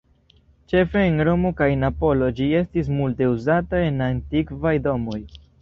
Ĉefe en Romo kaj Napolo ĝi estis multe uzata en antikvaj domoj.